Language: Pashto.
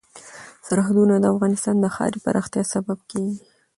سرحدونه د افغانستان د ښاري پراختیا سبب کېږي.